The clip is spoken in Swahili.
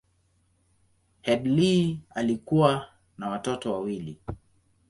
Headlee alikuwa na watoto wawili.